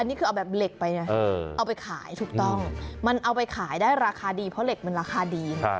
นี่คือเอาแบบเหล็กไปนะเอาไปขายถูกต้องมันเอาไปขายได้ราคาดีเพราะเหล็กมันราคาดี